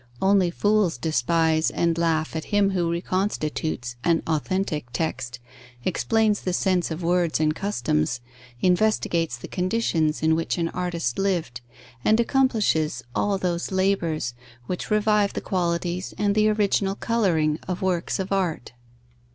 Only fools despise and laugh at him who reconstitutes an authentic text, explains the sense of words and customs, investigates the conditions in which an artist lived, and accomplishes all those labours which revive the qualities and the original colouring of works of art.